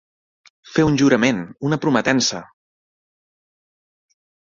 Fer un jurament, una prometença.